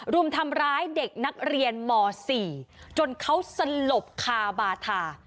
รุมทำร้ายเด็กนักเรียนม๔จนเขาสลบคาบาทา